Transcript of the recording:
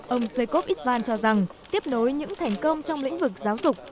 ông jacob itvan cho rằng tiếp nối những thành công trong lĩnh vực giáo dục